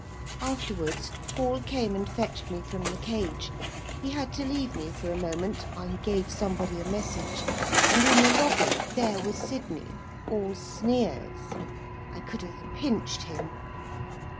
Afterwards, Paul came and fetched me from the cage. He had to leave me for a moment, while he gave somebody a message; and in the lobby, there was Sydney, all sneers! I could have pinched him.